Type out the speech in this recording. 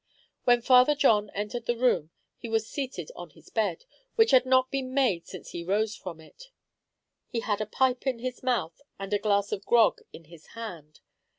When Father John entered the room he was seated on his bed, which had not been made since he rose from it. He had a pipe in his mouth, and a glass of grog in his hand.